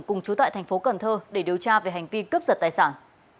cùng chú tại thành phố cần thơ để điều tra về hành vi cướp giật tài sản